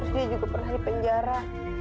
dia juga pernah di penjara